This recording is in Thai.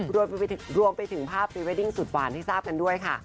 รวมไปถึงภาพพรีเวดดิ้งสุดหวานให้ทราบกันด้วยค่ะ